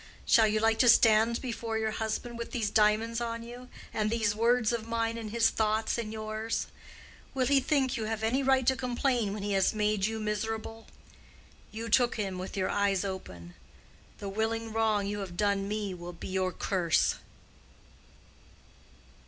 Shall you like to stand before your husband with these diamonds on you, and these words of mine in his thoughts and yours? Will he think you have any right to complain when he has made you miserable? You took him with your eyes open. The willing wrong you have done me will be your curse.